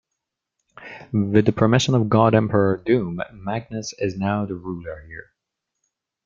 With the permission of God Emperor Doom, Magnus is now the ruler here.